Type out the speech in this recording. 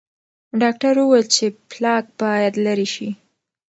ډاکټر وویل چې پلاک باید لرې شي.